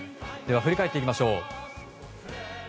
振り返ってみましょう。